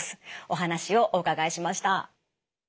お話をお伺いしました。